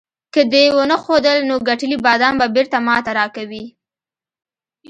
که دې ونه ښودل، نو ګټلي بادام به بیرته ماته راکوې.